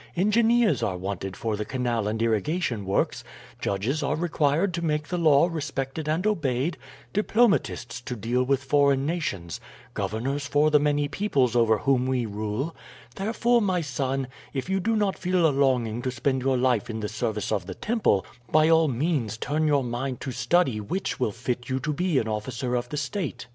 Engineers are wanted for the canal and irrigation works, judges are required to make the law respected and obeyed, diplomatists to deal with foreign nations, governors for the many peoples over whom we rule; therefore, my son, if you do not feel a longing to spend your life in the service of the temple, by all means turn your mind to study which will fit you to be an officer of the state.